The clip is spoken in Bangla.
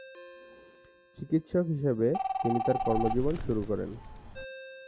চিকিৎসক হিসেবে তিনি তার কর্মজীবন শুরু করেন।